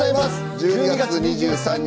１２月２３日